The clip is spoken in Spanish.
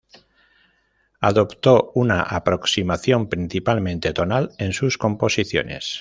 Adoptó una aproximación principalmente tonal en sus composiciones.